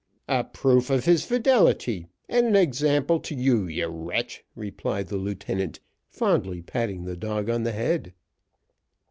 "A proof of his fidelity, and an example to you, you wretch," replied the lieutenant, fondly patting the dog on the head.